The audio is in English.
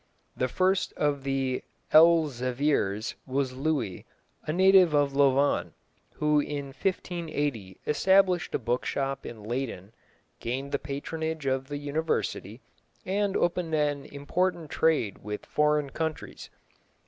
The first of the Elzevirs was Louis, a native of Louvain, who in 1580 established a book shop in Leyden, gained the patronage of the university, and opened an important trade with foreign countries.